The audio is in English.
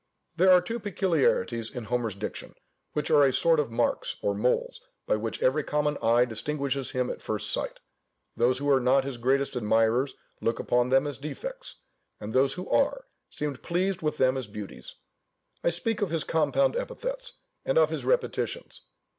There are two peculiarities in Homer's diction, which are a sort of marks or moles by which every common eye distinguishes him at first sight; those who are not his greatest admirers look upon them as defects, and those who are, seemed pleased with them as beauties. I speak of his compound epithets, and of his repetitions.